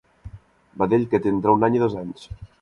Vedell que té entre un any i dos anys.